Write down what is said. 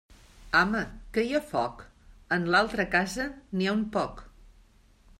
Ama, que hi ha foc? En l'altra casa n'hi ha un poc.